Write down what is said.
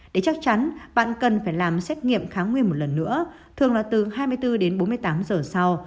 để chắc chắn bạn cần phải làm xét nghiệm kháng nguyên một lần nữa thường là từ hai mươi bốn đến bốn mươi tám giờ sau